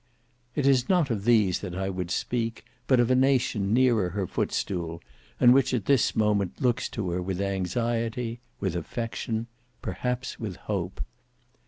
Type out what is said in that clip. It is not of these that I would speak; but of a nation nearer her foot stool, and which at this moment looks to her with anxiety, with affection, perhaps with hope.